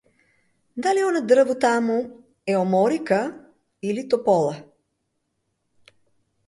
Дали она дрво таму е оморика или топола?